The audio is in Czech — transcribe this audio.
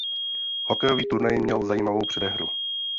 Hokejový turnaj měl zajímavou předehru.